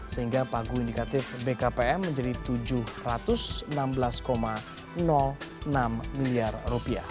sehingga pagu indikatif bkpm menjadi rp tujuh ratus enam belas enam miliar